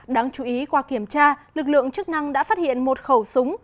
đáng chú ý qua kiểm tra lực lượng chức năng đã phát hiện một khẩu súng